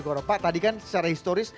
terima kasih pak brito